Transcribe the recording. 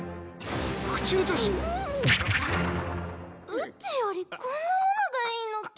うちよりこんなものがいいのけ？